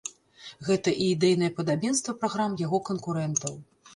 Гэта і ідэйнае падабенства праграм яго канкурэнтаў.